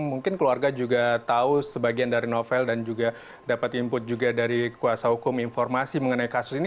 mungkin keluarga juga tahu sebagian dari novel dan juga dapat input juga dari kuasa hukum informasi mengenai kasus ini